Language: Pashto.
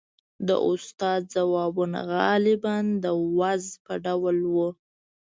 • د استاد ځوابونه غالباً د وعظ په ډول وو.